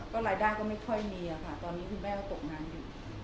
รายได้ก็ไม่ค่อยมีค่ะตอนนี้คุณแม่ก็ตกงานอยู่